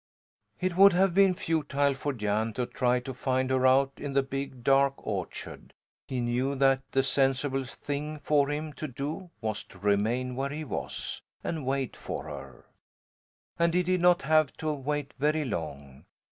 It would have been futile for Jan to try to find her out in the big, dark orchard: he knew that the sensible thing for him to do was to remain where he was, and wait for her. And he did not have to wait very long!